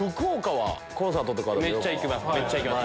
めっちゃ行きます。